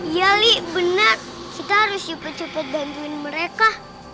iya li benar kita harus cepet cepet dambuin mereka